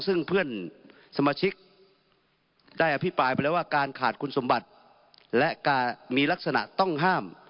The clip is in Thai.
ซึ่งเพื่อนสมาชิกได้อภิปรายไปแล้วว่าการขาดคุณสมบัติและการมีลักษณะต้องห้าม